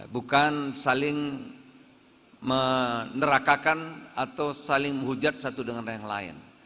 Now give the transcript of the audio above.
bukan saling menerakakan atau saling menghujat satu dengan yang lain